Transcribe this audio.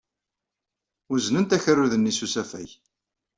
Uznent akerrud-nni s usafag.